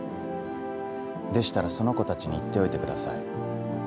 でしたらその子たちに言っておいてください。